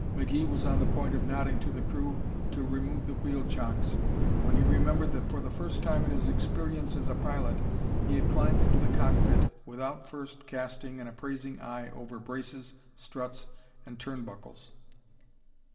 McGee was on the point of nodding to the crew to remove the wheel chocks when he remembered that for the first time in his experience as a pilot he had climbed into the cockpit without first casting an appraising eye over braces, struts and turn buckles.